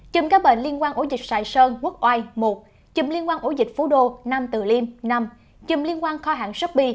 chùm ca bệnh liên quan ổ dịch sài sơn quốc oai một chùm liên quan ổ dịch phú đô năm từ liêm năm chùm liên quan kho hạng shopee